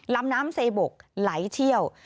ลำน้ำเซบกไหลเชี่ยว